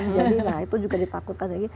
jadi nah itu juga ditakutkan